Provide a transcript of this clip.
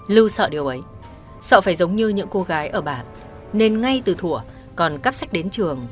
lưu sợ điều ấy sợ phải giống như những cô gái ở bản nên ngay từ thủa còn cắp sách đến trường